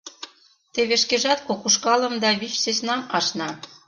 Теве шкежат кок ушкалым да вич сӧснам ашна.